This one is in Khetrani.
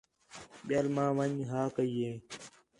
ٻِیال ماں ون٘ڄ ہا کَئی ہِے